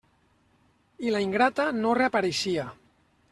I la ingrata no reapareixia!